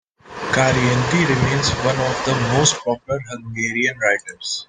Karinthy remains one of the most popular Hungarian writers.